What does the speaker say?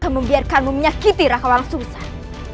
kamu biarkan menyakiti rakyat orang susah